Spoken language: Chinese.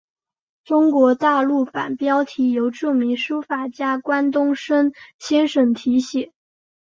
中国大陆版标题由著名书法家关东升先生提写。